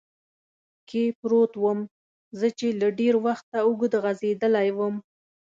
کې پروت ووم، زه چې له ډېر وخته اوږد غځېدلی ووم.